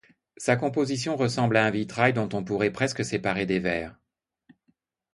Sa composition ressemble à un vitrail dont on pourrait presque séparer des verres.